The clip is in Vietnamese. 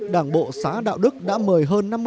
đảng bộ xá đạo đức đã mời hội nghị trực tuyến toàn quốc